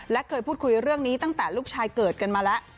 และเคยพูดคุยเรื่องนี้ตั้งแต่ลูกชายเกิดกันมาแล้ว